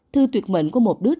thư tuyệt mệnh của một đứa trẻ